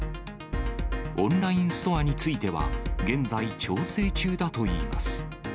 オンラインストアについては、現在調整中だといいます。